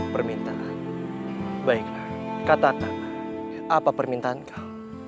permintaan baiklah kata kata apa permintaan kau